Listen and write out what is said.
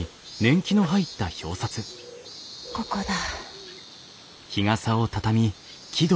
ここだ。